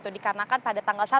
dikarenakan pada tanggal satu